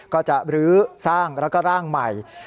ก็จะรื้อสร้างแล้วก็ร่างใหม่